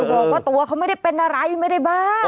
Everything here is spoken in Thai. บอกว่าตัวเขาไม่ได้เป็นอะไรไม่ได้บ้า